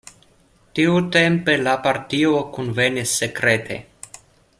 Tiutempe la partio kunvenis sekrete.